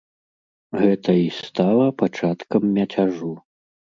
Гэта і стала пачаткам мяцяжу.